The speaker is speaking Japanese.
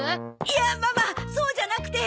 いやママそうじゃなくて。